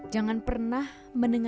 jangan pernah menengah